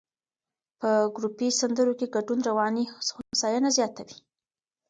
په ګروپي سندرو کې ګډون رواني هوساینه زیاتوي.